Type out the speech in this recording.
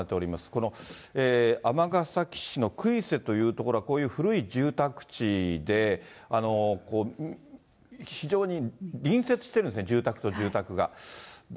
この尼崎市の杭瀬という所は、こういう古い住宅地で、非常に隣接しているんですね、住宅と住宅が。